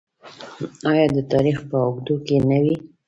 آیا د تاریخ په اوږدو کې نه وي؟